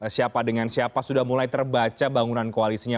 siapa dengan siapa sudah mulai terbaca bangunan koalisinya